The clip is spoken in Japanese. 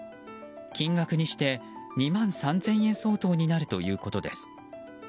金額にして２万３０００円相当になるということです。